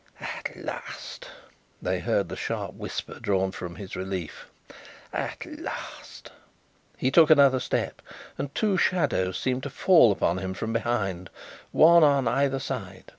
"At last!" they heard the sharp whisper drawn from his relief. "At last!" He took another step and two shadows seemed to fall upon him from behind, one on either side.